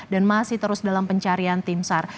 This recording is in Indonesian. dan masih terus dalam pencarian timsar